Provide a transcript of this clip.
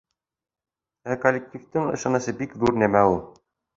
Ә коллективтың ышанысы бик ҙур нәмә ул.